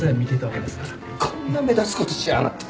こんな目立つことしやがって。